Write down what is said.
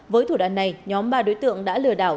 với thủ đoạn này nhóm ba đối tượng đã lừa đảo